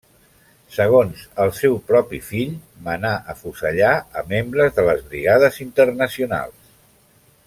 Segons el seu propi fill, manar afusellar a membres de les Brigades Internacionals.